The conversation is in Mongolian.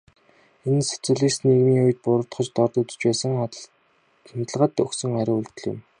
Энэ нь социалист нийгмийн үед буруутгаж, дорд үзэж байсан хандлагад өгсөн хариу үйлдэл юм.